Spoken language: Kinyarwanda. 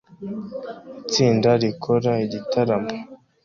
Itsinda rikora igitaramo